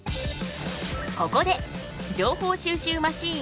ここで情報収集マシーン